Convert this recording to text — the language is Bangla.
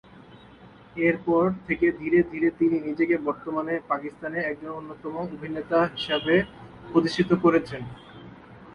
এর পর থেকে ধীরে ধীরে তিনি নিজেকে বর্তমানে পাকিস্তানের একজন অন্যতম একজন অভিনেতা হিসেবে প্রতিষ্ঠিত করেছেন।